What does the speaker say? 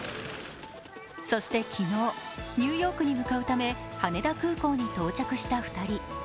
そして昨日、ニューヨークに向かうため、羽田空港に到着した２人。